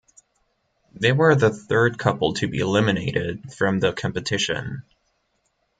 They were the third couple to be eliminated from the competition.